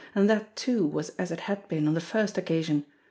And that, too, was as it had been on the first occasion